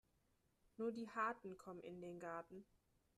Nur die Harten kommen in den Garten.